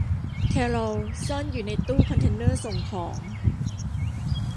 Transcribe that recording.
แครอลซ่อนอยู่ในตู้คอนเทนเนอร์ส่งของ